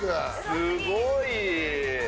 すごい。